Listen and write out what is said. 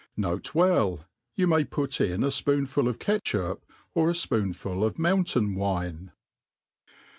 N.' 3. You may put ii^ a fpoonful of catchup, or a fpooqful of mountain wine.